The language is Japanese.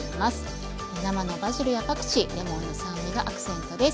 生のバジルやパクチーレモンの酸味がアクセントです。